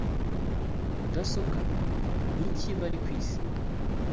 mudasobwa? niki bari kwisi?